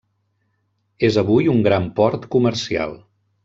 És avui un gran port comercial.